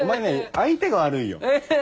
相手が悪い。